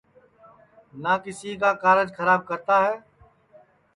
نہ کیسی کا کارج کھراب کرتا ہے